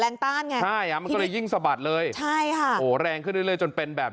แรงต้านไงยิ่งสบัดเลยใช่ค่ะแรงขึ้นเรื่อยจนเป็นแบบ